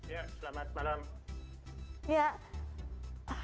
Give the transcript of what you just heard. ya selamat malam